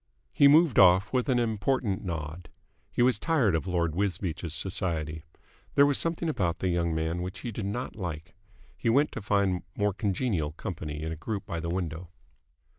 He moved off with an important nod. He was tired of Lord Wisbeach's society. There was something about the young man which he did not like. He went to find more congenial company in a group by the window.